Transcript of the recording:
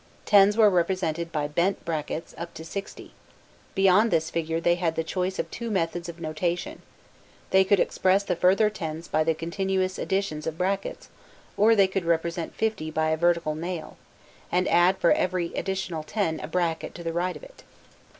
tens were represented by bent brackets [symbols], up to 60; beyond this figure they had the choice of two methods of notation: they could express the further tens by the continuous additions of brackets thus, [symbols] or they could represent 50 by a vertical "nail," and add for every additional ten a bracket to the right of it, thus: [symbols].